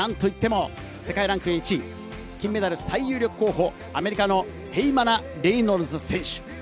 なんといっても世界ランク１位、金メダル最有力候補のアメリカのヘイマナ・レイノルズ選手。